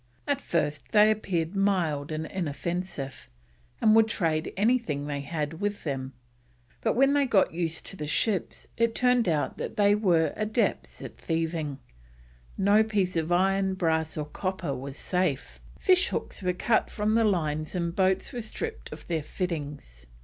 At first they appeared mild and inoffensive, and would trade anything they had with them; but when they got used to the ships it turned out that they were adepts at thieving; no piece of iron, brass, or copper was safe. Fish hooks were cut from the lines and boats were stripped of their fittings.